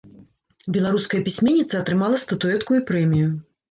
Беларуская пісьменніца атрымала статуэтку і прэмію.